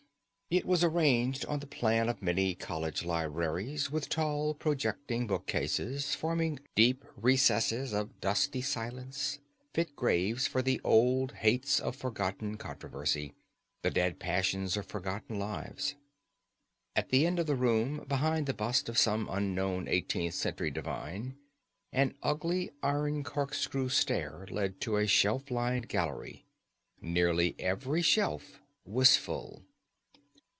It was arranged on the plan of many college libraries, with tall, projecting bookcases forming deep recesses of dusty silence, fit graves for the old hates of forgotten controversy, the dead passions of forgotten lives. At the end of the room, behind the bust of some unknown eighteenth century divine, an ugly iron corkscrew stair led to a shelf lined gallery. Nearly every shelf was full.